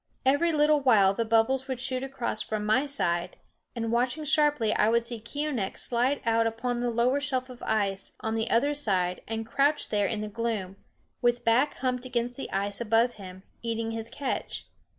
Every little while the bubbles would shoot across from my side, and watching sharply I would see Keeonekh slide out upon the lower shelf of ice on the other side and crouch there in the gloom, with back humped against the ice above him, eating his catch.